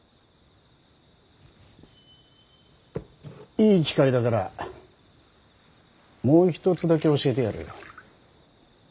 いい機会だからもう一つだけ教えてやる。